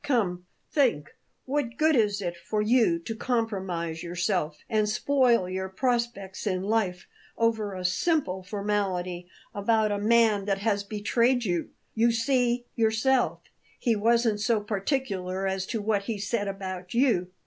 Come, think! What good is it for you to compromise yourself and spoil your prospects in life over a simple formality about a man that has betrayed you? You see yourself, he wasn't so particular as to what he said about you."